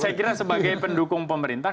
saya kira sebagai pendukung pemerintah